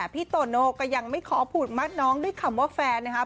พี่โตโน่ก็ยังไม่ขอพูดมัดน้องด้วยคำว่าแฟนนะครับ